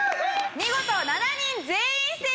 見事７人全員正解。